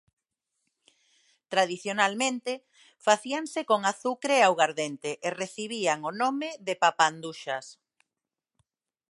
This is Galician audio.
Tradicionalmente, facíanse con azucre e augardente e recibían o nome de papanduxas.